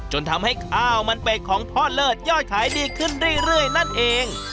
จนทำให้ข้าวมันเป็ดของพ่อเลิศยอดขายดีขึ้นเรื่อยนั่นเอง